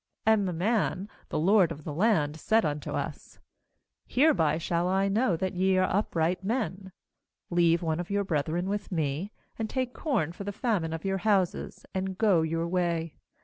^And the man, the lord of the land, said unto us: Hereby shall I know that ye are upright men: leave one of your brethren with me, and take corn for the famine of your houses, and go your way.